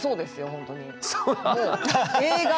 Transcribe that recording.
本当に。